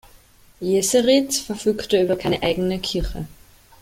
Jeseritz verfügte über keine eigene Kirche.